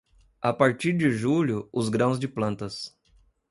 A partir de julho, os grãos de plantas.